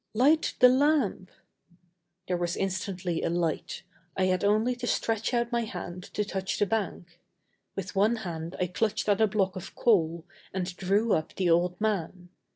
"Light the lamp!" There was instantly a light. I had only to stretch out my hand to touch the bank. With one hand I clutched at a block of coal and drew up the old man.